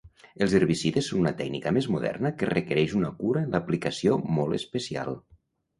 Els herbicides són una tècnica més moderna que requereix una cura en l'aplicació molt especial.